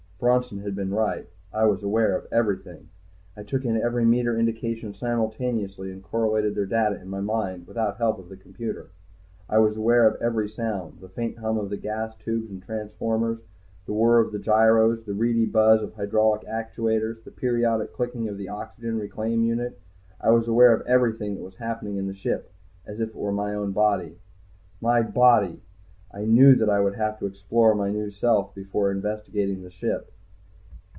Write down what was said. Bronson had been right. I was aware of everything. I took in every meter indication simultaneously and correlated their data in my mind, without the help of the computer. I was aware of every sound, the faint hum of the gas tubes and transformers, the whir of the gyros, the reedy buzz of hydraulic actuators, the periodic clicking of the oxygen reclaim unit. I was aware of everything that was happening in the ship, as if it were my own body. My body. I knew that I would have to explore my new self before investigating the ship.